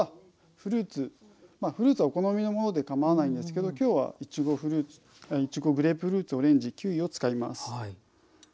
フルーツはお好みのものでかまわないんですけど今日はいちごグレープフルーツオレンジキウイを使います。